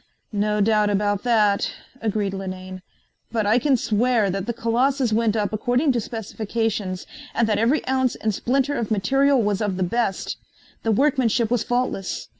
"No doubt about that," agreed Linane, "but I can swear that the Colossus went up according to specifications and that every ounce and splinter of material was of the best. The workmanship was faultless.